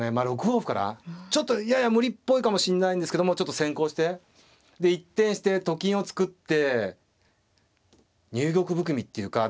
６五歩からちょっとやや無理っぽいかもしれないんですけどもちょっと先攻してで一転してと金を作って入玉含みっていうか。